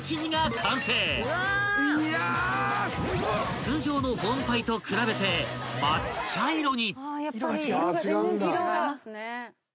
［通常のホームパイと比べて真っ茶色に］